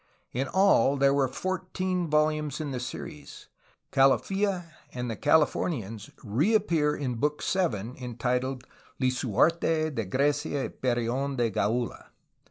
In all there were fourteen volumes in the series. Calafia and the Californians reappear in book seven, entitled: Lisuaii^e de Grecia y Perion de Gaula.